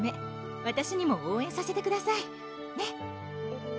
わたしにも応援させてくださいねっ？